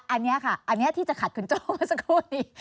อันนี้ค่ะอันนี้ที่จะขัดคุณโจ้เมื่อสักครู่นี้